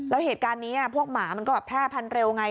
แล้วเหตุการณ์นี้พวกหมามันก็แบบแพร่พันเร็วไง